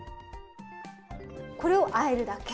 これをあえるだけ？